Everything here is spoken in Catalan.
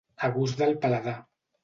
A gust del paladar.